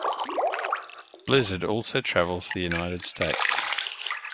Blizzard also travels the United States.